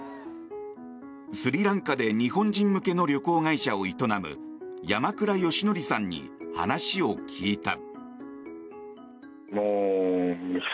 スリランカで日本人向けの旅行会社を営む山倉義典さんに話を聞いた。